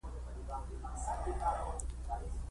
که هغه مرسته کړې وای نو ولې پخپله ونه تښتېد